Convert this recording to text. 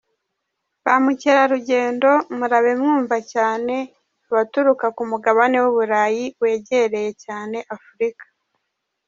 Ba mucyerarugendo murabe mwumva cyane abaturuka ku mugabane w’uburayi wegereye cyane Afurika.